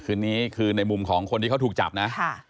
คืนนี้คือในมุมของคนที่เขาถูกจับนะ